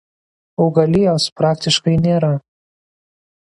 Augalijos praktiškai nėra.